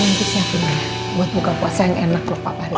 nanti saya pindah buat buka puasa yang enak lho pak pariw